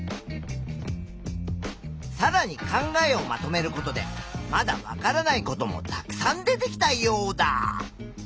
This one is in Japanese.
さらに考えをまとめることでまだわからないこともたくさん出てきたヨウダ！